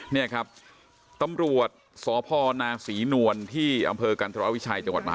นี่ครับตำรวจ